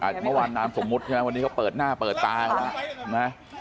เมื่อวานนามสมมุติใช่ไหมวันนี้เขาเปิดหน้าเปิดตากันแล้วนะ